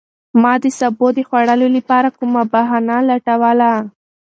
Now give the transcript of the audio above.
ما د سابو د خوړلو لپاره کومه بهانه لټوله.